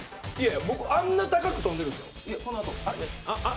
僕、あんな高く飛んでるんですよ？